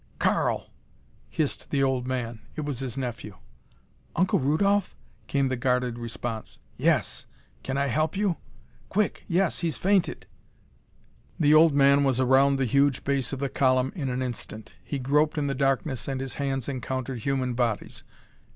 "Karl!" hissed the old man. It was his nephew. "Uncle Rudolph?" came the guarded response. "Yes. Can I help you?" "Quick yes he's fainted." The old man was around the huge base of the column in an instant. He groped in the darkness and his hands encountered human bodies.